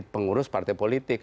pengurus partai politik